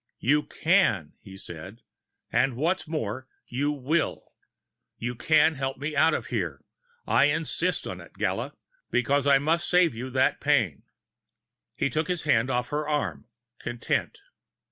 "You can," he said, "and what's more, you will. You can help me get out of here. I insist on it, Gala, because I must save you that pain." He took his hand off her arm, content.